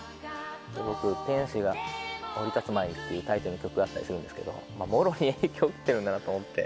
僕『天使が降りたつまえに』ってタイトルの曲があったりするんですけどもろに影響受けてるなと思って。